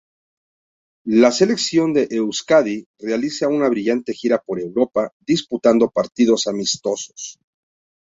La "Selección de Euzkadi" realiza una brillante gira por Europa disputando partidos amistosos.